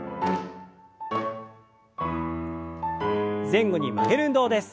前後に曲げる運動です。